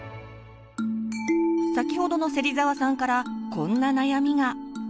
先ほどの芹澤さんからこんな悩みが。